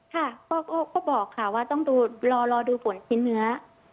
ค่ะก็บอกค่ะว่าต้องรอดูผลชิ้นเนื้อ